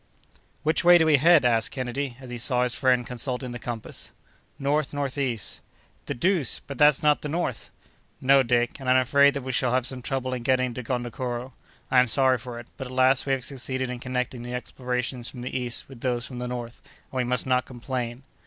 "Which way do we head?" asked Kennedy, as he saw his friend consulting the compass. "North northeast." "The deuce! but that's not the north?" "No, Dick; and I'm afraid that we shall have some trouble in getting to Gondokoro. I am sorry for it; but, at last, we have succeeded in connecting the explorations from the east with those from the north; and we must not complain."